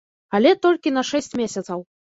Але толькі на шэсць месяцаў.